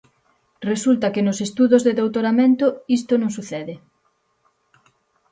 Resulta que nos estudos de doutoramento isto non sucede.